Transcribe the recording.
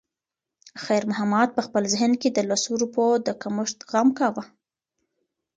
خیر محمد په خپل ذهن کې د لسو روپیو د کمښت غم کاوه.